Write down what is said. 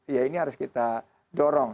ya ini harus kita dorong